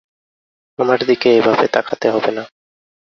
আমার দিকে এভাবে তাকাতে হবে না।